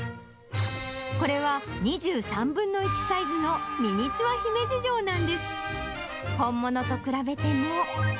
これは２３分の１サイズのミニチュア姫路城なんです。